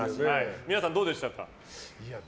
皆さん、どうでしたか？